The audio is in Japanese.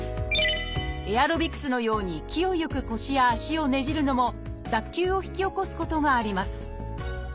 エアロビクスのように勢いよく腰や足をねじるのも脱臼を引き起こすことがあります